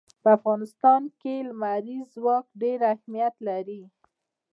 په افغانستان کې لمریز ځواک ډېر اهمیت لري.